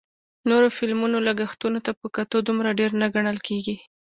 نورو فلمونو لګښتونو ته په کتو دومره ډېر نه ګڼل کېږي